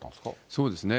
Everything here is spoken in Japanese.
そうですね。